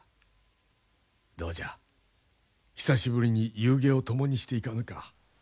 どうじゃ久しぶりに夕げを共にしていかぬか？